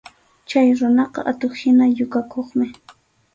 Chay runaqa atuq-hina yukakuqmi.